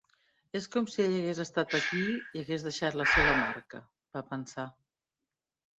És com si ell hagués estat aquí i hagués deixat la seva marca, va pensar.